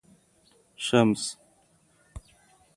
شمس